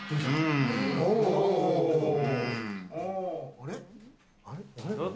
あれ？